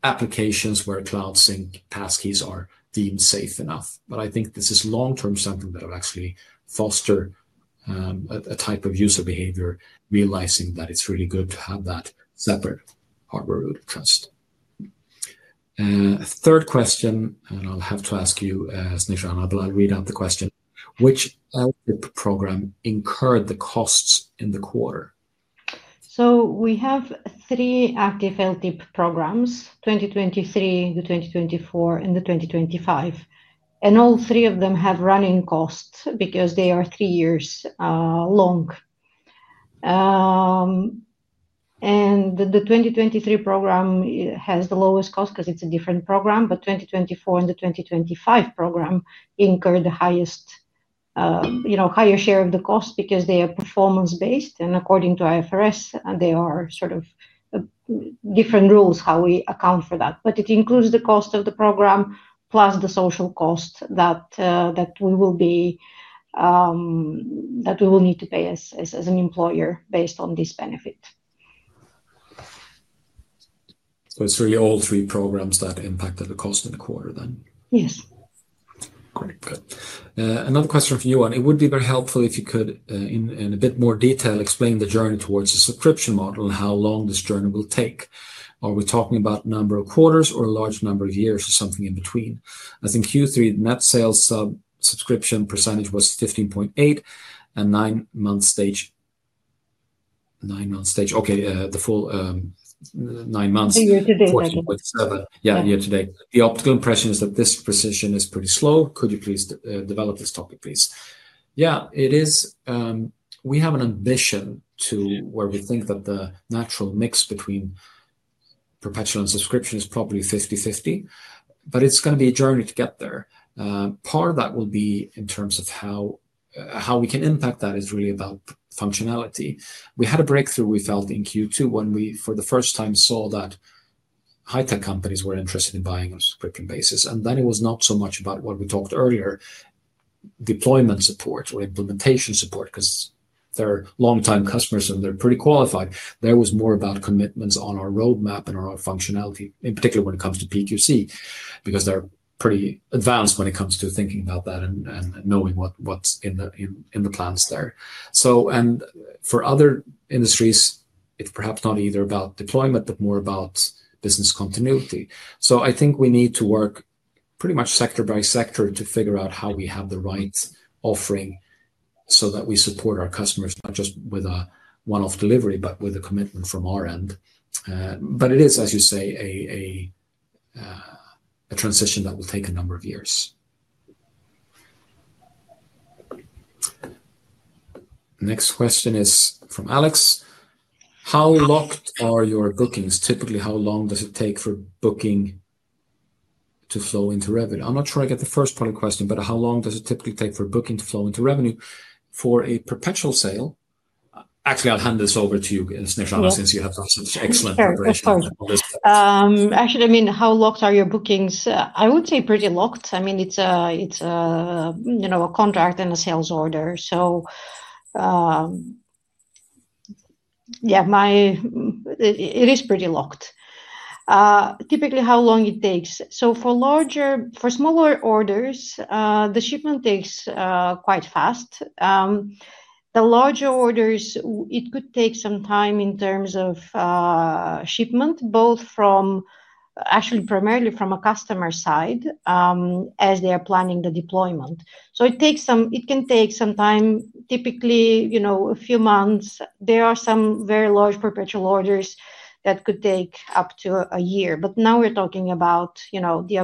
applications where cloud sync passkeys are deemed safe enough. I think this is long-term something that will actually foster a type of user behavior, realizing that it's really good to have that separate hardware root of trust. Third question, and I'll have to ask you, Snejana, but I'll read out the question. Which LTIP program incurred the costs in the quarter? We have three active LTIP programs: 2023, the 2024, and the 2025. All three of them have running costs because they are three years long. The 2023 program has the lowest cost because it's a different program, but 2024 and the 2025 program incur the higher share of the cost because they are performance-based. According to IFRS, there are sort of different rules how we account for that, but it includes the cost of the program plus the social cost that we will need to pay as an employer based on this benefit. It's really all three programs that impacted the cost in the quarter then? Yes. Great. Good. Another question from you. It would be very helpful if you could, in a bit more detail, explain the journey towards the subscription model and how long this journey will take. Are we talking about a number of quarters or a large number of years or something in between? I think Q3 net sales subscription percentage was 15.8% and nine-month stage. Okay. The full nine months. The year-to-date, I think. 14.7. Yeah, year-to-date. The optical impression is that this precision is pretty slow. Could you please develop this topic, please? Yeah, it is. We have an ambition to where we think that the natural mix between perpetual and subscription is probably 50/50, but it is going to be a journey to get there. Part of that will be in terms of how we can impact that is really about functionality. We had a breakthrough we felt in Q2 when we, for the first time, saw that high-tech companies were interested in buying on a subscription basis. Then it was not so much about what we talked earlier, deployment support or implementation support because they are long-time customers and they are pretty qualified. There was more about commitments on our roadmap and our functionality, in particular when it comes to PQC because they're pretty advanced when it comes to thinking about that and knowing what's in the plans there. For other industries, it's perhaps not either about deployment but more about business continuity. I think we need to work pretty much sector by sector to figure out how we have the right offering so that we support our customers not just with a one-off delivery but with a commitment from our end. It is, as you say, a transition that will take a number of years. Next question is from Alex. How locked are your bookings? Typically, how long does it take for booking to flow into revenue? I'm not sure I get the first part of the question, but how long does it typically take for booking to flow into revenue for a perpetual sale? Actually, I'll hand this over to you, Snejana, since you have such excellent preparation. Of course. Actually, I mean, how locked are your bookings? I would say pretty locked. I mean, it's a contract and a sales order. Yeah, it is pretty locked. Typically, how long it takes? For smaller orders, the shipment takes quite fast. The larger orders, it could take some time in terms of shipment, actually primarily from a customer's side as they are planning the deployment. It can take some time, typically a few months. There are some very large perpetual orders that could take up to a year, but now we're talking about the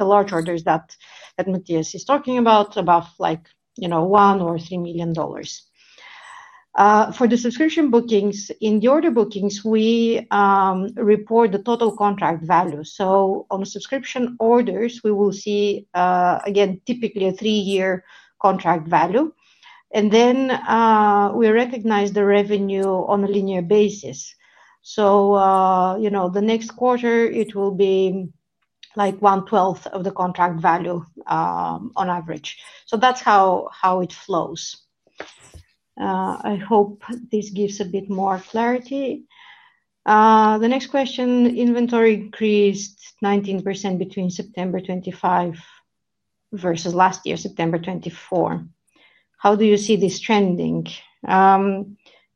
large orders that Mattias is talking about, about like $1 million or $3 million. For the subscription bookings, in the order bookings, we report the total contract value. On the subscription orders, we will see, again, typically a three-year contract value. Then we recognize the revenue on a linear basis. The next quarter, it will be like one-twelfth of the contract value on average. That's how it flows. I hope this gives a bit more clarity. The next question, inventory increased 19% between September 25 versus last year, September 24. How do you see this trending?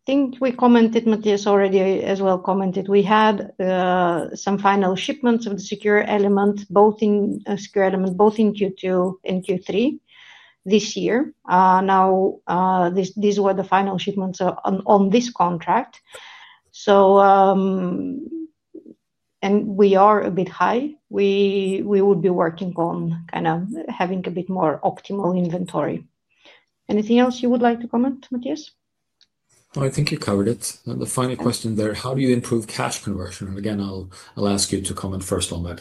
I think we commented, Mattias already as well commented, we had some final shipments of the secure element, both in Q2 and Q3 this year. Now, these were the final shipments on this contract, and we are a bit high. We would be working on kind of having a bit more optimal inventory. Anything else you would like to comment, Mattias? I think you covered it. The final question there, how do you improve cash conversion? Again, I'll ask you to comment first on that,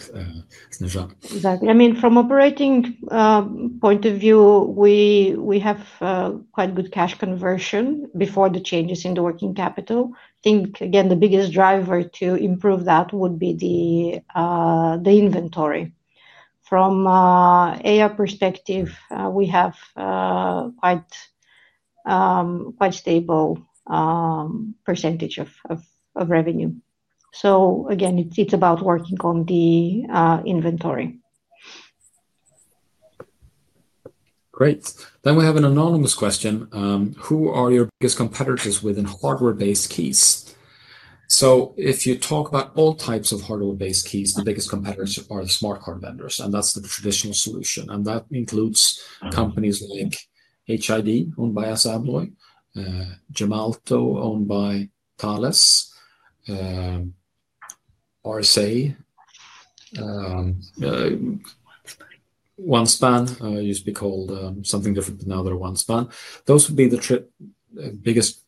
Snejana. Exactly. I mean, from an operating point of view, we have quite good cash conversion before the changes in the working capital. I think, again, the biggest driver to improve that would be the inventory. From an AI perspective, we have quite a stable percentage of revenue. Again, it's about working on the inventory. Great. We have an anonymous question. Who are your biggest competitors within hardware-based keys? If you talk about all types of hardware-based keys, the biggest competitors are the smart card vendors, and that's the traditional solution. That includes companies like HID owned by Assa Abloy, Gemalto owned by Thales, RSA, OneSpan, used to be called something different, but now they're OneSpan. Those would be the biggest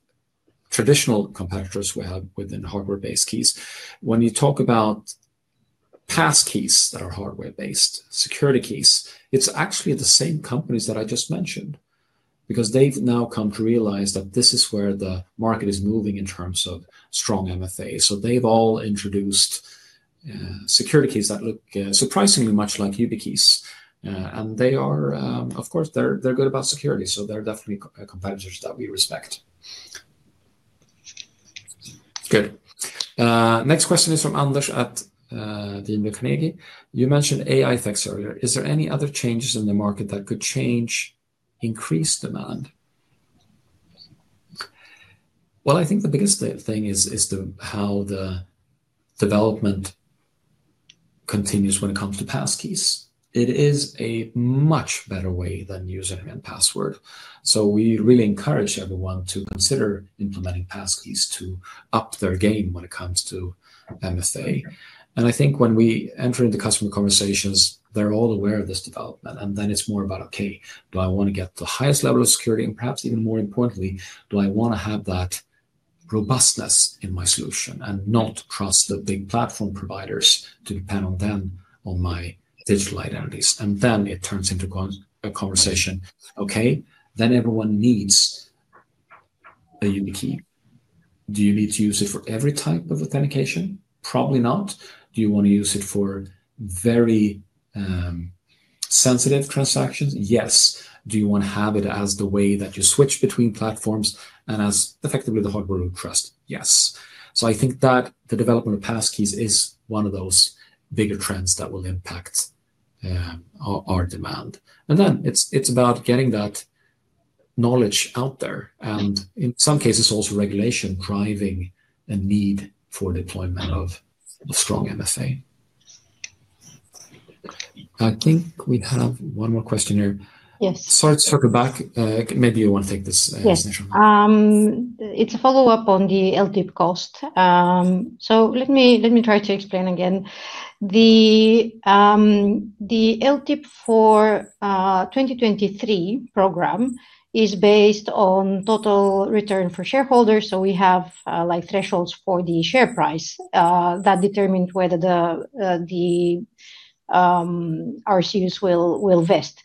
traditional competitors we have within hardware-based keys. When you talk about Passkeys that are hardware-based, security keys, it's actually the same companies that I just mentioned because they've now come to realize that this is where the market is moving in terms of strong MFA. They've all introduced security keys that look surprisingly much like YubiKeys. They are, of course, they're good about security, so they're definitely competitors that we respect. Good. Next question is from Anders at the [Nubica Navy]. You mentioned AI effects earlier. Is there any other changes in the market that could change increased demand? I think the biggest thing is how the development continues when it comes to Passkeys. It is a much better way than username and password. We really encourage everyone to consider implementing Passkeys to up their game when it comes to MFA. I think when we enter into customer conversations, they're all aware of this development, and then it's more about, okay, do I want to get the highest level of security and perhaps even more importantly, do I want to have that robustness in my solution and not trust the big platform providers to depend on them on my digital identities? It turns into a conversation. Okay, then everyone needs a YubiKey. Do you need to use it for every type of authentication? Probably not. Do you want to use it for very sensitive transactions? Yes. Do you want to have it as the way that you switch between platforms and as effectively the hardware of trust? Yes. I think that the development of Passkeys is one of those bigger trends that will impact our demand. It is about getting that knowledge out there and, in some cases, also regulation driving a need for deployment of strong MFA. I think we have one more question here. Sorry to circle back. Maybe you want to take this, Snejana. Yes. It's a follow-up on the LTIP cost. Let me try to explain again. The LTIP for 2023 program is based on total return for shareholders. We have thresholds for the share price that determine whether the RCUs will vest.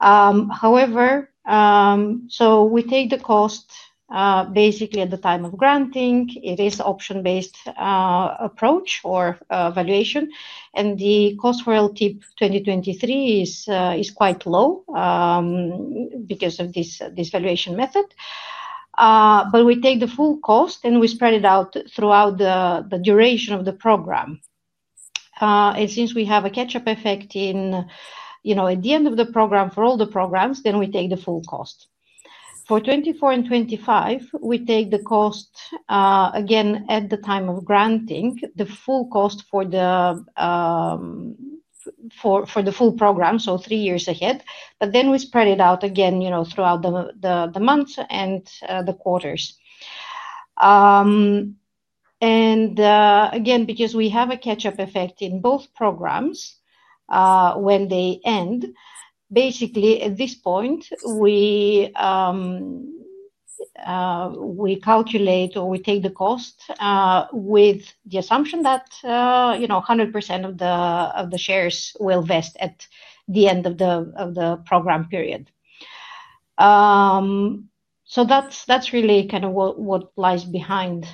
However, we take the cost basically at the time of granting. It is an option-based approach or valuation, and the cost for LTIP 2023 is quite low because of this valuation method. We take the full cost and we spread it out throughout the duration of the program. Since we have a catch-up effect at the end of the program for all the programs, we take the full cost. For 2024 and 2025, we take the cost again at the time of granting, the full cost for the full program, so three years ahead, but we spread it out again throughout the months and the quarters. Again, because we have a catch-up effect in both programs when they end, basically at this point, we calculate or we take the cost with the assumption that 100% of the shares will vest at the end of the program period. That is really kind of what lies behind.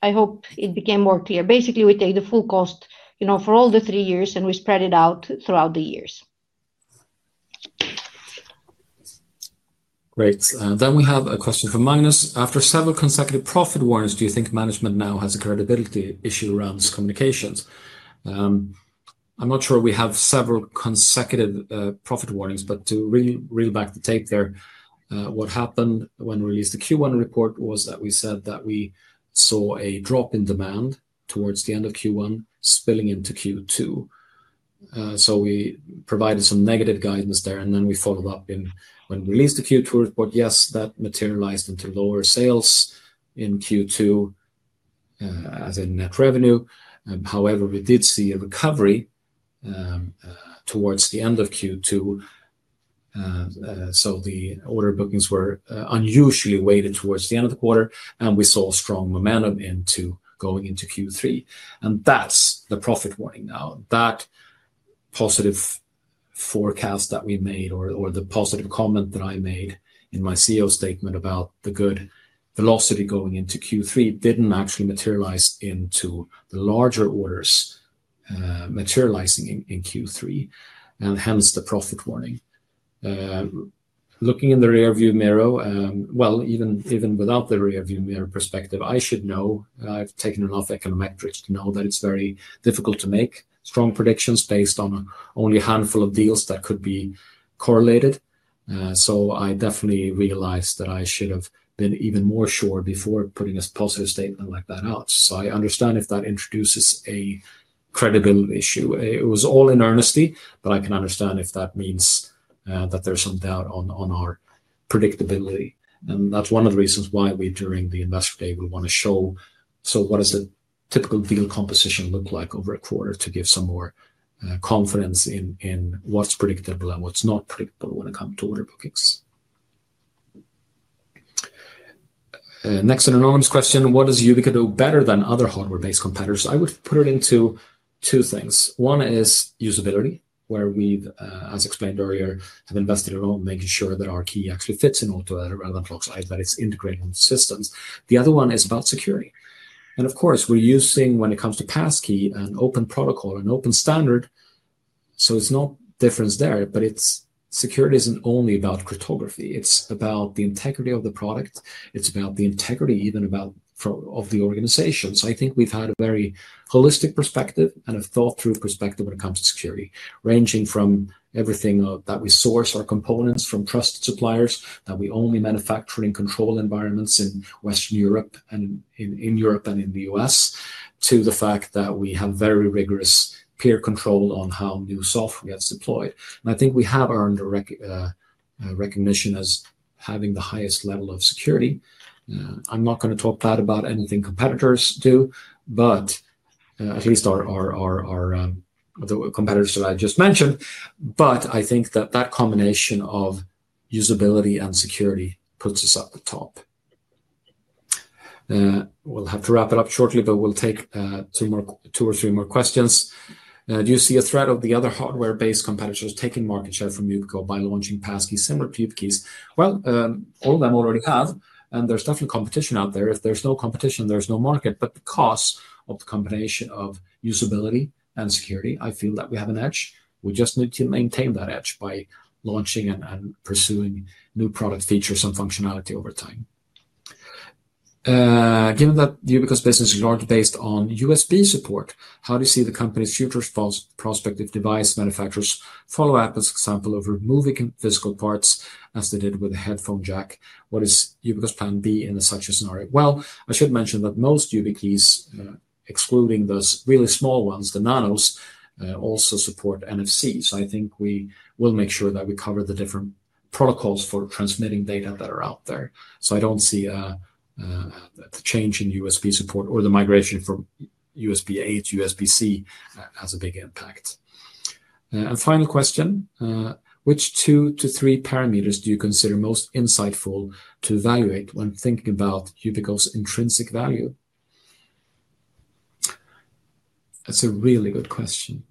I hope it became more clear. Basically, we take the full cost for all the three years and we spread it out throughout the years. Great. We have a question from Magnus. After several consecutive profit warnings, do you think management now has a credibility issue around this communications? I'm not sure we have several consecutive profit warnings, but to reel back the tape there, what happened when we released the Q1 report was that we said that we saw a drop in demand towards the end of Q1 spilling into Q2. We provided some negative guidance there, and we followed up when we released the Q2 report. Yes, that materialized into lower sales in Q2 as in net revenue. However, we did see a recovery towards the end of Q2. The order bookings were unusually weighted towards the end of the quarter, and we saw strong momentum going into Q3. That's the profit warning now. That positive forecast that we made or the positive comment that I made in my CEO statement about the good velocity going into Q3 did not actually materialize into the larger orders materializing in Q3, and hence the profit warning. Looking in the rearview mirror, even without the rearview mirror perspective, I should know. I have taken enough econometrics to know that it is very difficult to make strong predictions based on only a handful of deals that could be correlated. I definitely realized that I should have been even more sure before putting a positive statement like that out. I understand if that introduces a credibility issue. It was all in earnesty, but I can understand if that means that there is some doubt on our predictability. That's one of the reasons why we, during the investor day, will want to show what does a typical deal composition look like over a quarter to give some more confidence in what's predictable and what's not predictable when it comes to order bookings. Next, an anonymous question. What does Yubico do better than other hardware-based competitors? I would put it into two things. One is usability, where we, as explained earlier, have invested in making sure that our key actually fits in all the relevant logs, that it's integrated into systems. The other one is about security. Of course, we're using, when it comes to Passkeys, an open protocol, an open standard. It's no difference there, but security isn't only about cryptography. It's about the integrity of the product. It's about the integrity even of the organization. I think we've had a very holistic perspective and a thought-through perspective when it comes to security, ranging from everything that we source our components from trusted suppliers, that we only manufacture in controlled environments in Western Europe and in Europe and in the U.S., to the fact that we have very rigorous peer control on how new software gets deployed. I think we have earned recognition as having the highest level of security. I'm not going to talk bad about anything competitors do, at least the competitors that I just mentioned, but I think that that combination of usability and security puts us at the top. We'll have to wrap it up shortly, but we'll take two or three more questions. Do you see a threat of the other hardware-based competitors taking market share from Yubico by launching Passkeys similar to YubiKeys? All of them already have, and there's definitely competition out there. If there's no competition, there's no market, but because of the combination of usability and security, I feel that we have an edge. We just need to maintain that edge by launching and pursuing new product features and functionality over time. Given that Yubico's business is largely based on USB support, how do you see the company's future prospect if device manufacturers follow Apple's example of removing physical parts as they did with the headphone jack? What is Yubico's plan B in such a scenario? I should mention that most YubiKeys, excluding those really small ones, the nanos, also support NFC. I think we will make sure that we cover the different protocols for transmitting data that are out there. I don't see the change in USB support or the migration from USB-A to USB-C as a big impact. Final question. Which two to three parameters do you consider most insightful to evaluate when thinking about Yubico's intrinsic value? That's a really good question.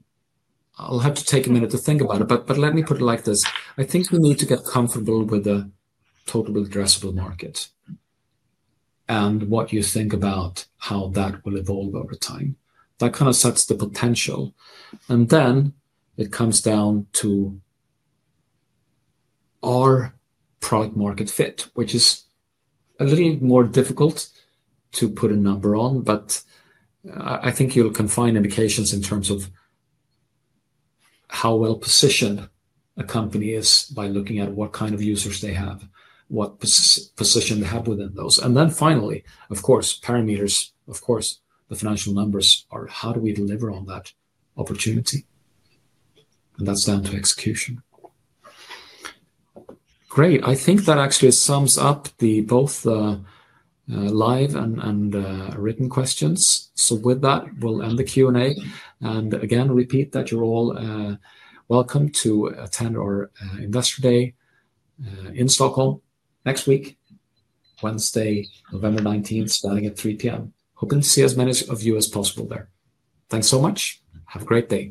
I'll have to take a minute to think about it, but let me put it like this. I think we need to get comfortable with the total addressable market and what you think about how that will evolve over time. That kind of sets the potential. Then it comes down to our product-market fit, which is a little more difficult to put a number on, but I think you'll find implications in terms of how well-positioned a company is by looking at what kind of users they have, what position they have within those. Finally, of course, parameters, of course, the financial numbers are how do we deliver on that opportunity? That's down to execution. Great. I think that actually sums up both the live and written questions. With that, we'll end the Q&A. Again, repeat that you're all welcome to attend our investor day in Stockholm next week, Wednesday, November 19, starting at 3:00 P.M. Hoping to see as many of you as possible there. Thanks so much. Have a great day.